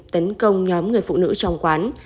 tấn công nhóm người phụ nữ trong quán